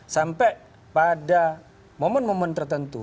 sampai pada momen momen tertentu